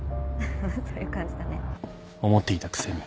思っていたくせに